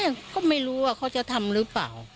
ยังก็ไม่รู้ว่าเขาจะทำหรือเปล่า